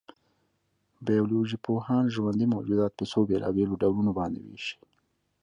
بایولوژيپوهان ژوندي موجودات په څو بېلابېلو ډولونو باندې وېشي.